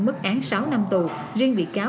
mức án sáu năm tù riêng bị cáo